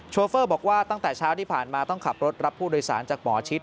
โฟเฟอร์บอกว่าตั้งแต่เช้าที่ผ่านมาต้องขับรถรับผู้โดยสารจากหมอชิด